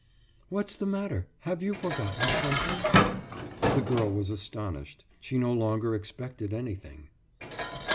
»What's the matter? Have you forgotten something?« The girl was astonished. She no longer expected anything.